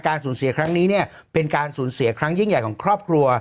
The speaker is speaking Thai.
สูญเสียครั้งนี้เนี่ยเป็นการสูญเสียครั้งยิ่งใหญ่ของครอบครัว